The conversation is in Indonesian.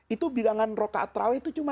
itu bilangan rokaat terawih itu cuma dua puluh